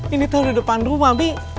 ini teh udah depan rumah mi